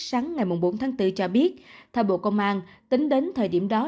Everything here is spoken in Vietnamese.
sáng ngày bốn bốn cho biết thờ bộ công an tính đến thời điểm đó